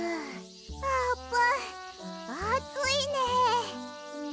あーぷんあついねえ。